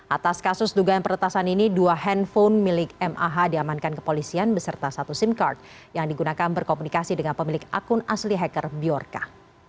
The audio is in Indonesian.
atas kasus dugaan peretasan ini dua handphone milik mah diamankan ke polisian beserta satu simcard yang digunakan berkomunikasi dengan pemilik akun asli hacker biorka